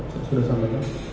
saya sudah sampaikan